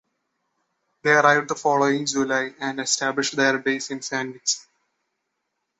They arrived the following July and established their base in Sandwich.